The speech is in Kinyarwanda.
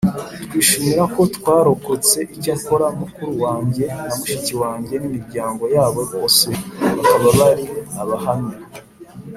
Twishimira ko twarokotse Icyakora mukuru wanjye na mushiki wanjye n imiryango yabo bose bakaba bari Abahamya